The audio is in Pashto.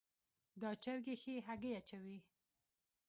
دا چرګي ښي هګۍ اچوي